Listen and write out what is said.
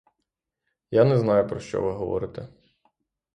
Я не знаю, про що ви говорите.